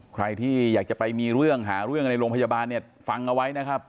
ใครที่อยากจะไปมีเรื่องหาเรื่องในโรงพยาบาลเนี่ยฟังเอาไว้นะครับ